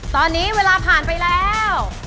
ตอนนี้เวลาผ่านไปแล้ว